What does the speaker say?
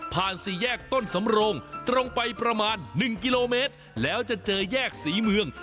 สี่แยกต้นสำโรงตรงไปประมาณ๑กิโลเมตรแล้วจะเจอแยกศรีเมือง